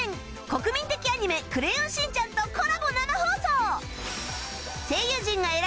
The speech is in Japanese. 国民的アニメ『クレヨンしんちゃん』とコラボ生放送！